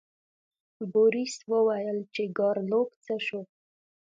بوریس وویل چې ګارلوک څه شو.